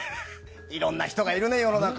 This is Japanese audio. いろんな人がいるね、世の中。